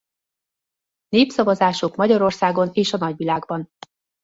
Népszavazások Magyarországon és a nagyvilágban.